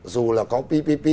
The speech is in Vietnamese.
dù là có ppp